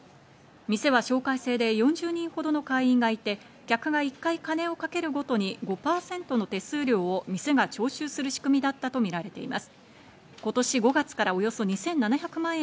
店は紹介制で４０人ほどの会員がいて、客が１回金を賭けるごとに５％の手数料を店が徴収する仕組みだったとお天気です。